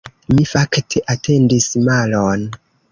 Mi fakte atendis malon.